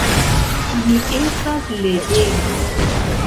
Mi estas legema.